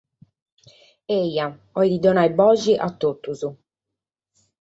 Eja cheret dare boghe a totus.